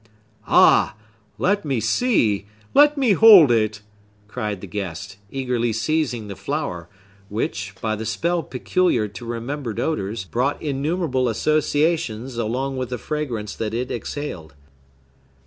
"Ah!—let me see!—let me hold it!" cried the guest, eagerly seizing the flower, which, by the spell peculiar to remembered odors, brought innumerable associations along with the fragrance that it exhaled.